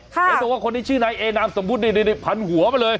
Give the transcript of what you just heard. เห็นรู้ว่าคนนี้ชื่อนายเองนาสมบูรณ์แบบผันหัวไปเลย